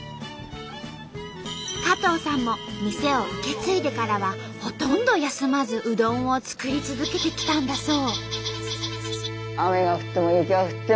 加藤さんも店を受け継いでからはほとんど休まずうどんを作り続けてきたんだそう。